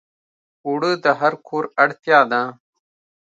اوړه د هر کور اړتیا ده